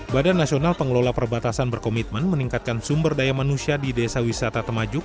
badan nasional pengelola perbatasan berkomitmen meningkatkan sumber daya manusia di desa wisata temajuk